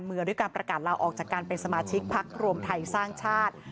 ด้วยการประกาศลาออกจากการเป็นสมาชิกพักรวมไทยสร้างชาติ